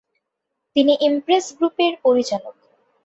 তিনি ইমপ্রেস গ্রুপের পরিচালক।